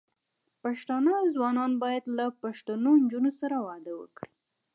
پښتانه ځوانان بايد له پښتنو نجونو سره واده وکړي.